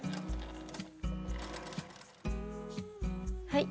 はい。